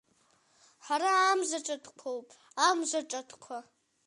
Ҳара Амзаҿатәқәоуп, Амзаҿатәқәа!